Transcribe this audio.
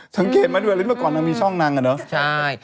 ทั้งเขตมันด้วยแม่งก่อนมันมีช่องนางกันเนอะใช่